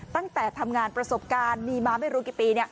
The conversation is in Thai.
ตั้งแต่ทำงานประสบการณ์มีมาไม่รู้กี่ปี